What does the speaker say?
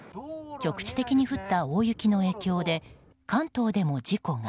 局地的に降った大雪の影響で関東でも事故が。